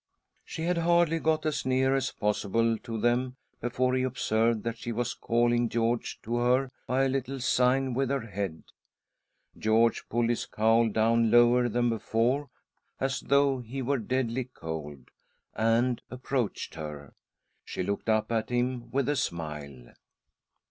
She had hardly got as near as possible to them before he observed that she was calling George to her by a little sign with her head. George pulled his cowl down lower than before, as though he were deadly cold, and approached her. She looked up at him with a smile.